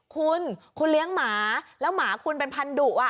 คุณคุณเลี้ยงหมาแล้วหมาคุณเป็นพันธุ